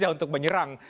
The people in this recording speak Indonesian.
jadi ini juga terjadi